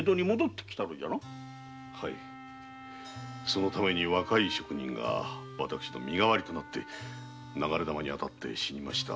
そのために若い職人が身代わりとなり流れ弾に当たり死にました。